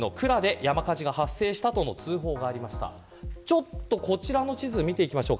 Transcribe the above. ちょっとこちらの地図を見ていきましょう。